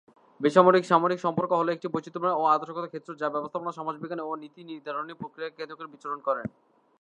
বেসামরিক-সামরিক সম্পর্ক হল একটি বৈচিত্র্যময় ও আদর্শগত ক্ষেত্র, যা ব্যবস্থাপনা, সমাজবিজ্ঞান ও নীতি-নির্ধারণী প্রক্রিয়াকে কেন্দ্র করে বিচরণ করে।